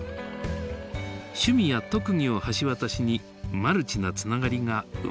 趣味や特技を橋渡しにマルチなつながりが生まれています。